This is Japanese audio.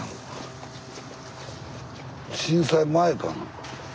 震災前かな。